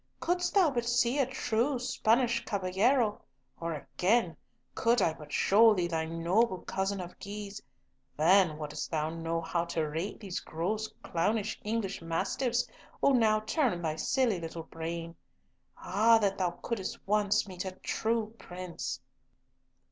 couldst thou but see a true Spanish caballero, or again, could I but show thee my noble cousin of Guise, then wouldst thou know how to rate these gross clownish English mastiffs who now turn thy silly little brain. Ah, that thou couldst once meet a true prince!"